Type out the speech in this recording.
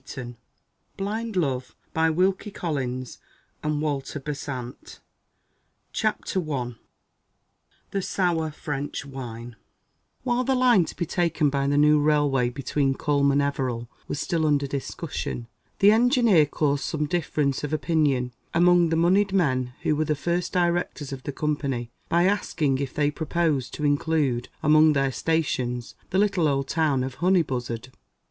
THE END OF THE PROLOGUE THE STORY FIRST PERIOD CHAPTER I THE SOUR FRENCH WINE WHILE the line to be taken by the new railway between Culm and Everill was still under discussion, the engineer caused some difference of opinion among the moneyed men who were the first Directors of the Company, by asking if they proposed to include among their Stations the little old town of Honeybuzzard.